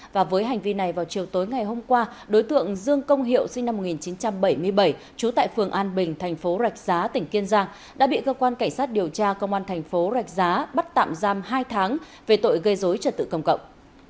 và với hành vi này vào chiều tối ngày hôm qua đối tượng dương công hiệu sinh năm một nghìn chín trăm bảy mươi bảy trú tại phường an bình thành phố rạch giá tỉnh kiên giang đã bị cơ quan cảnh sát điều tra công an thành phố rạch giá bắt tạm giam hai tháng về tội gây dối trật tự công cộng